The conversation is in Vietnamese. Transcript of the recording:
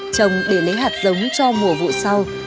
trồng để lấy hạt giống cho mùa vụ sau